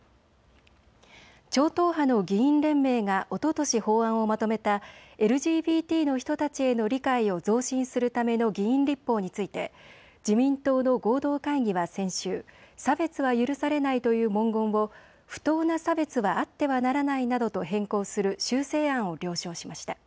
超党派の議員連盟がおととし法案をまとめたＬＧＢＴの人たちへの理解を増進するための議員立法について自民党の合同会議は先週、差別は許されないという文言を不当な差別はあってはならないなどと変更する修正案を了承しました。